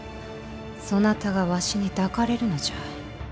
そなたがわしに抱かれるのじゃ！